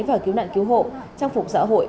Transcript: và cứu nạn cứu hộ trang phục xã hội